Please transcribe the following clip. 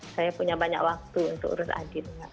saya punya banyak waktu untuk urus adit